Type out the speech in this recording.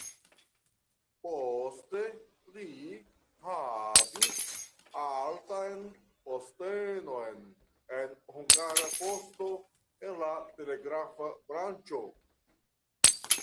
Poste li havis altan postenon en Hungara Poŝto en la telegrafa branĉo.